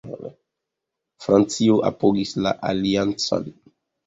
Francio apogis la aliancon.